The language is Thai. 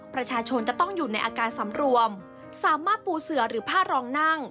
ประชาชนจะต้องอยู่ในอาการสำรวมสามารถปูเสือหรือผ้ารองนั่ง